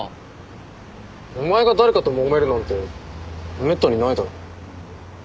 お前が誰かともめるなんてめったにないだろ。